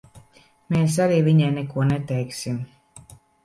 Mēs arī viņai neko neteiksim.